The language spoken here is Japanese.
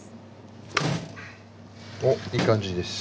おっいい感じです。